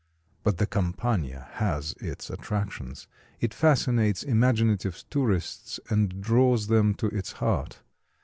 ] But the Campagna has its attractions. It fascinates imaginative tourists and draws them to its heart.